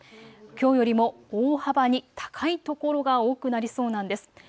きょうよりも大幅に高い所が多くなりそうなんです。